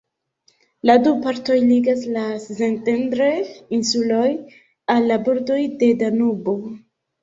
La du partoj ligas la Szentendre-insulon al la bordoj de Danubo.